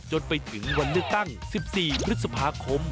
จนไปถึงวันเลือกตั้ง๑๔พฤษภาคม